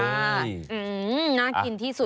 อื้อน่ากินที่สุด